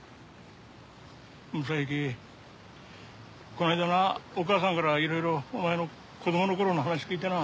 この間なお母さんからいろいろお前の子供の頃の話聞いてな。